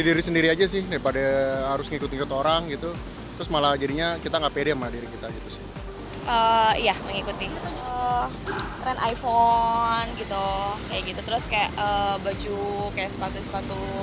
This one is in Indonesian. trend iphone gitu kayak gitu terus kayak baju kayak sepatu sepatu